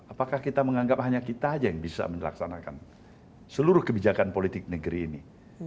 apakah kita menganggap hanya kita saja yang bisa melaksanakan seluruh kebijakan politik negeri ini